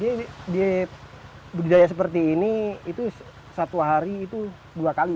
di budidaya seperti ini itu satu hari itu dua kali